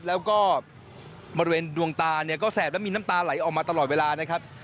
แล้วก็บริเวณดวงตาเนี่ยก็แสบและมีน้ำตาไหลออกมาตลอดเวลานะครับ